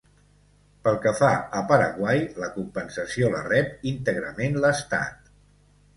Pel que fa a Paraguai, la compensació la rep íntegrament l'Estat.